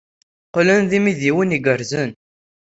Qqlen d imidiwen igerrzen.